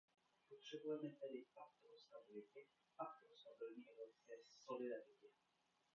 Potřebujeme tedy pakt o stabilitě, pakt o stabilní evropské solidaritě.